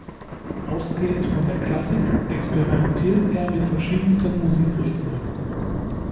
Ausgehend von der Klassik experimentiert er mit verschiedensten Musikrichtungen.